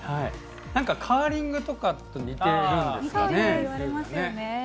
カーリングとかと似ているんですかね。